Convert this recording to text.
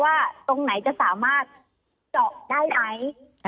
ตรงไหนจะสามารถเจาะได้ไหม